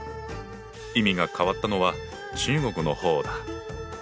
意味が変わったのは中国の方だ。